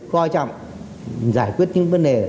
coi trọng giải quyết những vấn đề